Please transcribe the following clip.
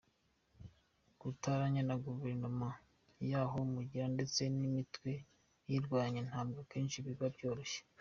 Gufatanya na Guverinoma y’aho mugiye ndetse n’imitwe iyirwanya ntabwo akenshi biba byoroshye.